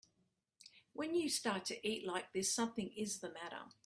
When you start to eat like this something is the matter.